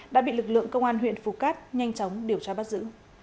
đã bị lực lượng công an huyện phù cát nhanh chóng điều tra bắt giữ